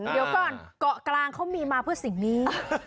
เดี๋ยวก่อนเกาะกลางเขามีมาเพื่อสิ่งนี้